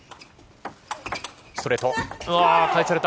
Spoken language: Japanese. ストレート。